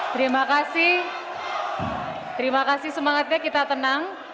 terima kasih terima kasih semangatnya kita tenang